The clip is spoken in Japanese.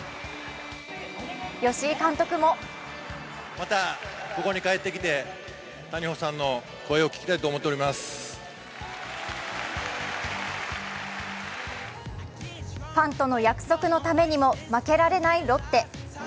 吉井監督もファンとの約束のためにも負けられないロッテ。